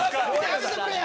やめてくれや！